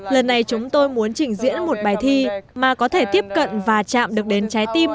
lần này chúng tôi muốn trình diễn một bài thi mà có thể tiếp cận và chạm được đến trái tim